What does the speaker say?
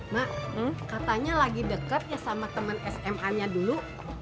mak katanya lagi deket ya sama teman sma nya dulu